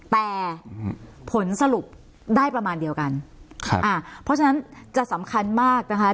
แต่ผลสรุปได้ประมาณเดียวกันครับอ่าเพราะฉะนั้นจะสำคัญมากนะคะ